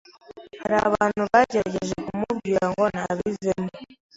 hari abantu bagerageje kumubwira ngo nabivemo